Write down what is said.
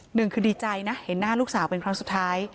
หนึ่งคือดีใจนะเห็นหน้าลูกสาวเป็นครั้งสุดท้าย